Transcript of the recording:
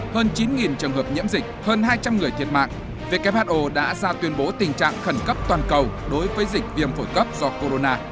hơn chín trường hợp nhiễm dịch hơn hai trăm linh người thiệt mạng who đã ra tuyên bố tình trạng khẩn cấp toàn cầu đối với dịch viêm phổi cấp do corona